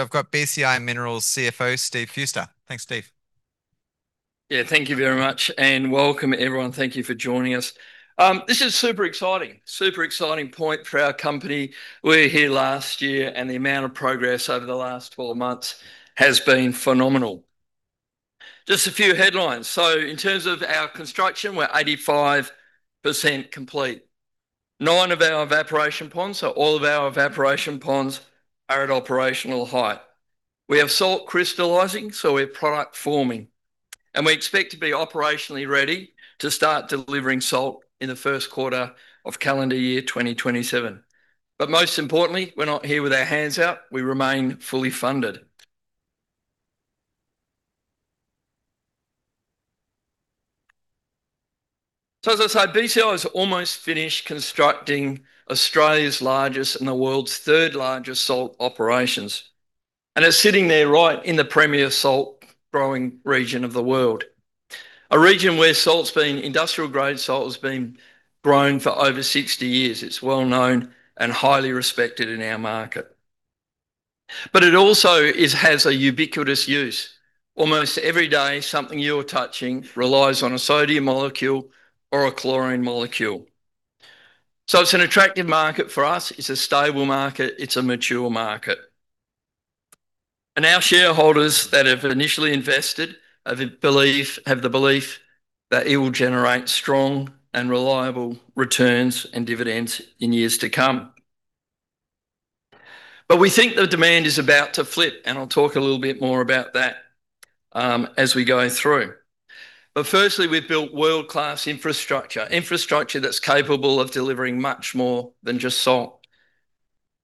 I've got BCI Minerals CFO, Steve Fewster. Thanks, Steve. Thank you very much and welcome, everyone. Thank you for joining us. This is super exciting. Super exciting point for our company. We were here last year, the amount of progress over the last 12 months has been phenomenal. Just a few headlines. In terms of our construction, we're 85% complete. Nine of our evaporation ponds, all of our evaporation ponds are at operational height. We have salt crystallizing, we're product forming, and we expect to be operationally ready to start delivering salt in the first quarter of calendar year 2027. Most importantly, we're not here with our hands out. We remain fully funded. As I say, BCI is almost finished constructing Australia's largest and the world's third-largest salt operations, and it's sitting there right in the premier salt growing region of the world. A region where industrial-grade salt has been grown for over 60 years. It's well known and highly respected in our market. It also has a ubiquitous use. Almost every day, something you're touching relies on a sodium molecule or a chlorine molecule. It's an attractive market for us. It's a stable market. It's a mature market. Our shareholders that have initially invested have the belief that it will generate strong and reliable returns and dividends in years to come. We think the demand is about to flip, I'll talk a little bit more about that as we go through. Firstly, we've built world-class infrastructure that's capable of delivering much more than just salt.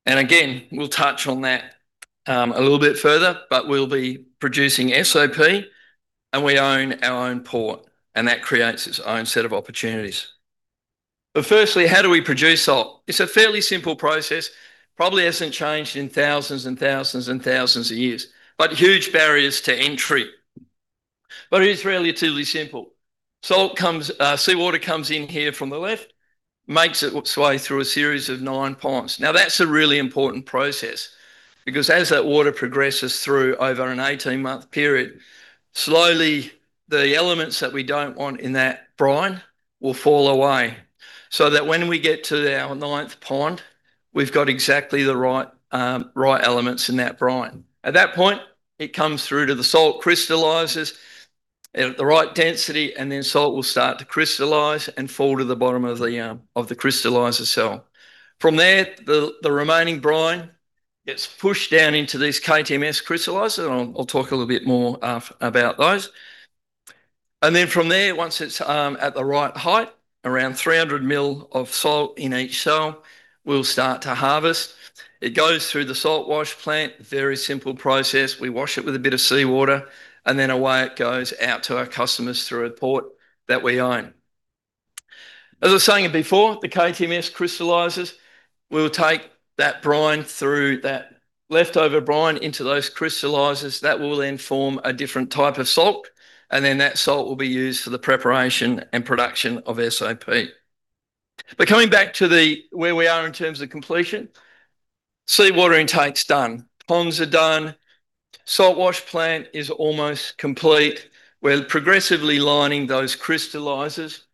Again, we'll touch on that a little bit further, we'll be producing SOP and we own our own port, that creates its own set of opportunities. Firstly, how do we produce salt? It's a fairly simple process, probably hasn't changed in thousands and thousands and thousands of years, huge barriers to entry. It is relatively simple. Seawater comes in here from the left, makes its way through a series of nine ponds. That's a really important process because as that water progresses through over an 18-month period, slowly, the elements that we don't want in that brine will fall away, so that when we get to our ninth pond, we've got exactly the right elements in that brine. At that point, it comes through to the salt crystallizers at the right density, salt will start to crystallize and fall to the bottom of the crystallizer cell. From there, the remaining brine gets pushed down into these KTMS crystallizers. I'll talk a little bit more about those. From there, once it's at the right height, around 300 mil of salt in each cell, we'll start to harvest. It goes through the salt wash plant. Very simple process. We wash it with a bit of seawater, away it goes out to our customers through a port that we own. As I was saying before, the KTMS crystallizers will take that brine through, that leftover brine, into those crystallizers. That will then form a different type of salt, that salt will be used for the preparation and production of SOP. Coming back to where we are in terms of completion, seawater intake's done. Ponds are done. Salt wash plant is almost complete. We're progressively lining those crystallizers.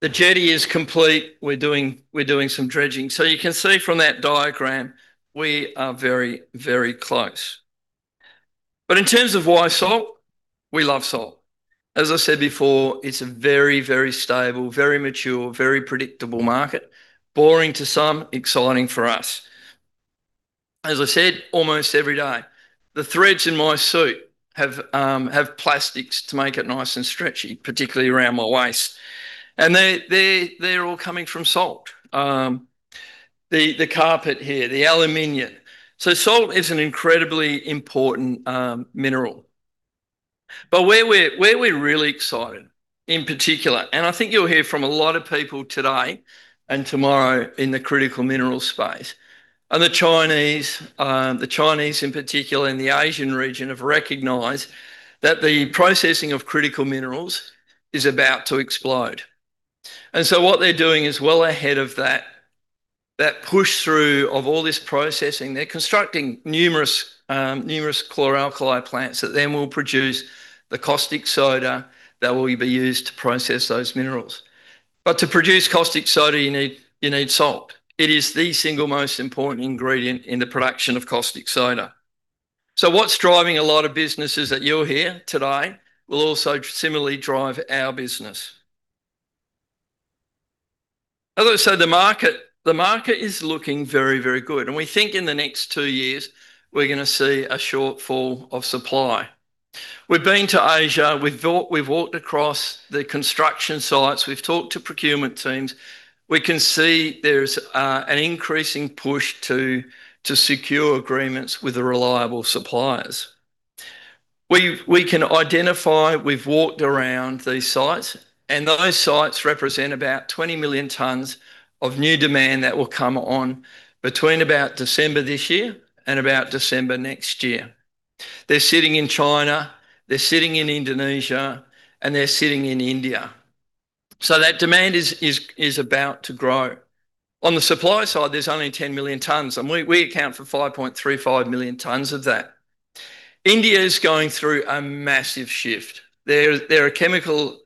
The jetty is complete. We're doing some dredging. You can see from that diagram, we are very, very close. In terms of why salt, we love salt. As I said before, it's a very, very stable, very mature, very predictable market. Boring to some, exciting for us. As I said, almost every day. The threads in my suit have plastics to make it nice and stretchy, particularly around my waist. They're all coming from salt. The carpet here, the aluminum. Salt is an incredibly important mineral. Where we're really excited in particular, and I think you'll hear from a lot of people today and tomorrow in the critical minerals space, are the Chinese. The Chinese in particular in the Asian region have recognized that the processing of critical minerals is about to explode. What they're doing is well ahead of that push through of all this processing. They're constructing numerous chlor-alkali plants that then will produce the caustic soda that will be used to process those minerals. To produce caustic soda, you need salt. It is the single most important ingredient in the production of caustic soda. What's driving a lot of businesses that you'll hear today will also similarly drive our business. As I said, the market is looking very, very good, and we think in the next two years, we're going to see a shortfall of supply. We've been to Asia. We've walked across the construction sites. We've talked to procurement teams. We can see there's an increasing push to secure agreements with the reliable suppliers. We can identify, we've walked around these sites, and those sites represent about 20 million tons of new demand that will come on between about December this year and about December next year. They're sitting in China, they're sitting in Indonesia, and they're sitting in India. That demand is about to grow. On the supply side, there's only 10 million tons, and we account for 5.35 million tons of that. India is going through a massive shift. It's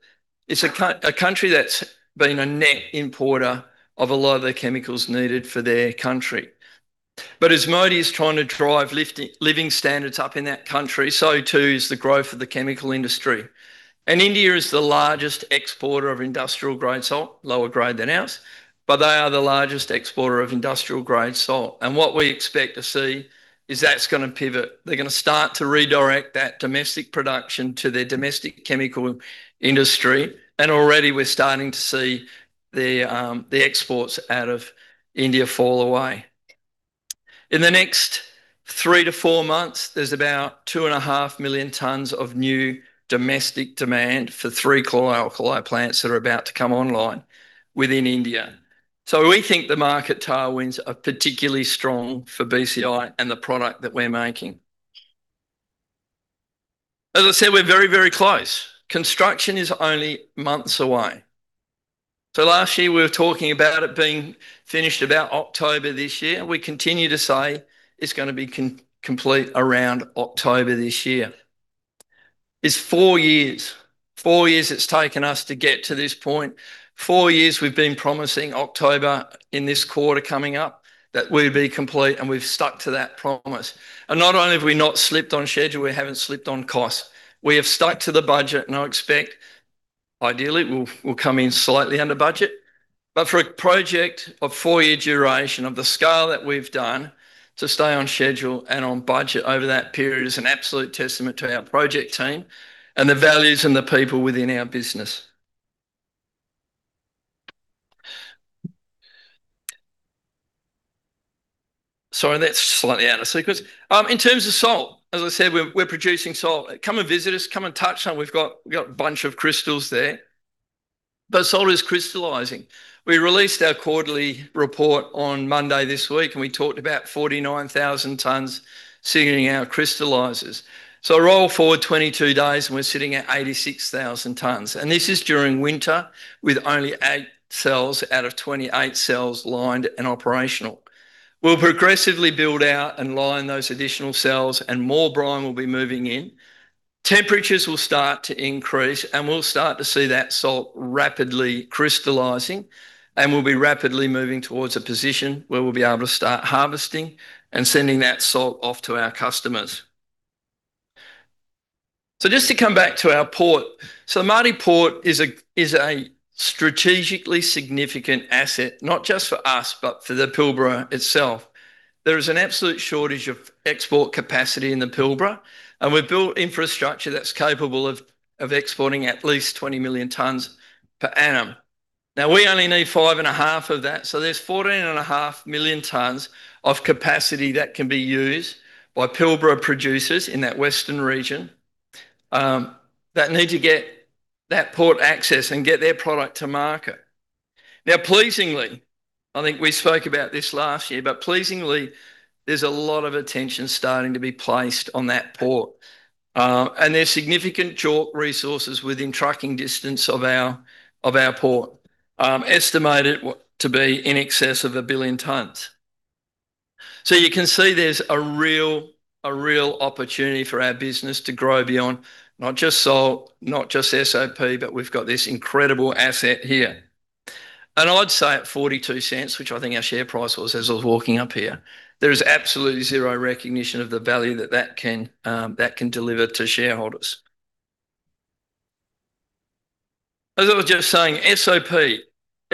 a country that's been a net importer of a lot of the chemicals needed for their country. As Modi is trying to drive living standards up in that country, so too is the growth of the chemical industry. India is the largest exporter of industrial-grade salt, lower grade than ours, but they are the largest exporter of industrial-grade salt. What we expect to see is that's going to pivot. They're going to start to redirect that domestic production to their domestic chemical industry, and already we're starting to see the exports out of India fall away. In the next three to four months, there's about 2.5 million tons of new domestic demand for three chlor-alkali plants that are about to come online within India. We think the market tailwinds are particularly strong for BCI and the product that we're making. As I said, we're very, very close. Construction is only months away. Last year we were talking about it being finished about October this year. We continue to say it's going to be complete around October this year. It's four years. Four years it's taken us to get to this point. Four years we've been promising October in this quarter coming up that we'd be complete, and we've stuck to that promise. Not only have we not slipped on schedule, we haven't slipped on cost. We have stuck to the budget, and I expect ideally we'll come in slightly under budget. For a project of four-year duration, of the scale that we've done, to stay on schedule and on budget over that period is an absolute testament to our project team and the values and the people within our business. Sorry, that's slightly out of sequence. In terms of salt, as I said, we're producing salt. Come and visit us, come and touch some. We've got a bunch of crystals there. Salt is crystallizing. We released our quarterly report on Monday this week, and we talked about 49,000 tons sitting in our crystallizers. Roll forward 22 days and we're sitting at 86,000 tons. This is during winter, with only eight cells out of 28 cells lined and operational. We'll progressively build out and line those additional cells and more brine will be moving in. Temperatures will start to increase and we'll start to see that salt rapidly crystallizing, and we'll be rapidly moving towards a position where we'll be able to start harvesting and sending that salt off to our customers. Just to come back to our port. Mardie Port is a strategically significant asset, not just for us, but for the Pilbara itself. There is an absolute shortage of export capacity in the Pilbara, and we've built infrastructure that's capable of exporting at least 20 million tons per annum. We only need five and a half of that, so there's 14.5 million tons of capacity that can be used by Pilbara producers in that western region that need to get that port access and get their product to market. Pleasingly, I think we spoke about this last year, pleasingly, there's a lot of attention starting to be placed on that port. There's significant chalk resources within trucking distance of our port, estimated to be in excess of 1 billion tons. You can see there's a real opportunity for our business to grow beyond not just salt, not just SOP, but we've got this incredible asset here. I'd say at 0.42, which I think our share price was as I was walking up here, there is absolutely zero recognition of the value that that can deliver to shareholders. As I was just saying, SOP.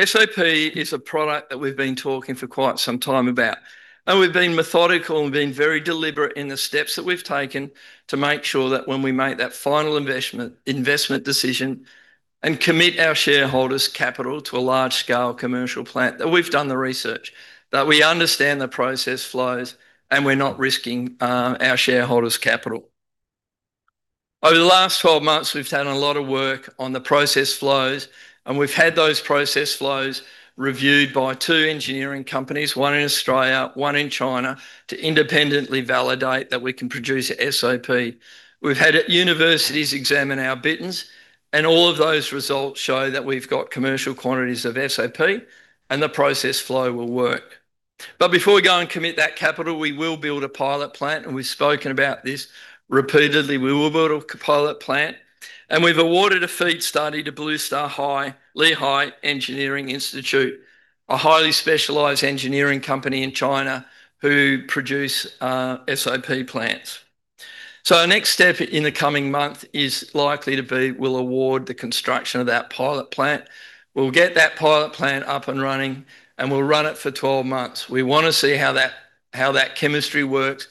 SOP is a product that we've been talking for quite some time about. We've been methodical and been very deliberate in the steps that we've taken to make sure that when we make that final investment decision and commit our shareholders' capital to a large-scale commercial plant, that we've done the research, that we understand the process flows and we're not risking our shareholders' capital. Over the last 12 months, we've done a lot of work on the process flows, and we've had those process flows reviewed by two engineering companies, one in Australia, one in China, to independently validate that we can produce SOP. We've had universities examine our bittern, all of those results show that we've got commercial quantities of SOP and the process flow will work. Before we go and commit that capital, we will build a pilot plant. We've spoken about this repeatedly. We will build a pilot plant. We've awarded a FEED study to Bluestar Lehigh Engineering Institute, a highly specialized engineering company in China who produce SOP plants. Our next step in the coming month is likely to be we'll award the construction of that pilot plant. We'll get that pilot plant up and running, and we'll run it for 12 months. We want to see how that chemistry works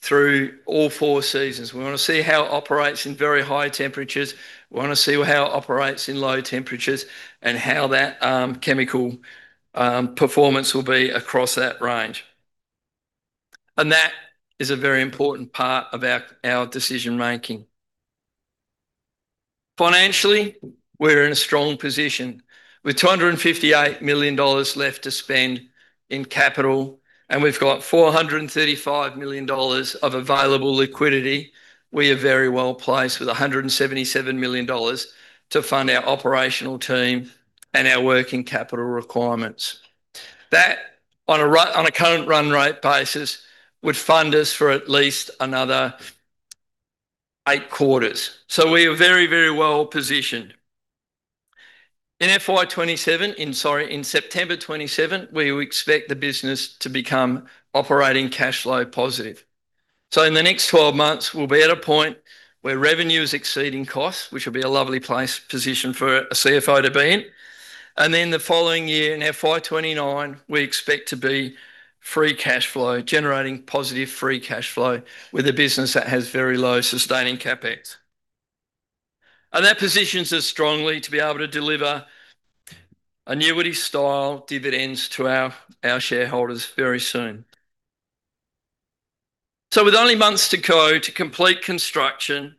through all four seasons. We want to see how it operates in very high temperatures. We want to see how it operates in low temperatures, and how that chemical performance will be across that range. That is a very important part about our decision-making. Financially, we're in a strong position. With AUD 258 million left to spend in capital, we've got AUD 435 million of available liquidity. We are very well-placed with AUD 177 million to fund our operational team and our working capital requirements. That, on a current run rate basis, would fund us for at least another eight quarters. We are very, very well-positioned. In FY 2027, in, sorry, in September 2027, we expect the business to become operating cash flow positive. In the next 12 months, we'll be at a point where revenue is exceeding cost, which will be a lovely position for a CFO to be in. The following year, in FY 2029, we expect to be free cash flow, generating positive free cash flow with a business that has very low sustaining CapEx. That positions us strongly to be able to deliver annuity-style dividends to our shareholders very soon. With only months to go to complete construction,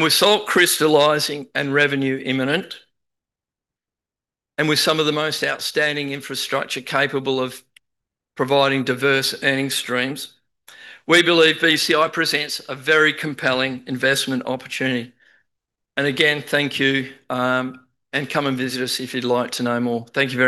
with salt crystallizing and revenue imminent, with some of the most outstanding infrastructure capable of providing diverse earning streams, we believe BCI presents a very compelling investment opportunity. Again, thank you, and come and visit us if you'd like to know more. Thank you very much.